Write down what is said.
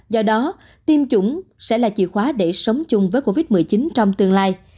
do đó tiêm chủng sẽ là chìa khóa để sống chung với covid một mươi chín trong tương lai